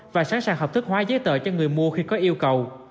và sẵn sàng hợp thức hóa giấy tờ cho người mua khi có yêu cầu